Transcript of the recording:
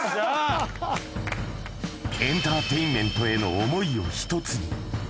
エンターテインメントへの想いを一つに。